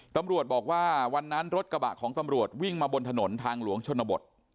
ตำรวจบอกว่าวันนั้นรถกระบะของตำรวจวิ่งมาบนถนนทางหลวงชนบท